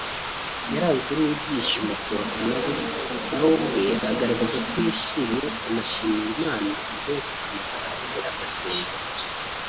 yaranzwe n’ibyishimo ku bafana be nawe ubwe agaragaza ko yishimye anashimira Imana ubwo yapfukamaga hasi agasenga